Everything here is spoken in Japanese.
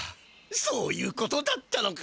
そういうことだったのか。